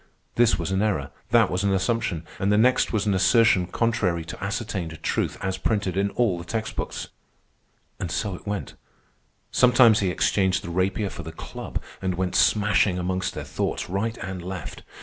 This was an error, that was an assumption, and the next was an assertion contrary to ascertained truth as printed in all the text books. And so it went. Sometimes he exchanged the rapier for the club and went smashing amongst their thoughts right and left.